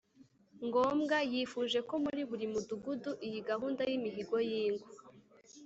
ngombwa. Yifuje ko muri buri mudugudu iyi gahunda y’imihigo y’ingo